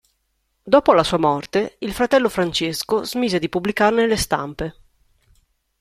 Dopo la sua morte, il fratello Francesco smise di pubblicarne le stampe.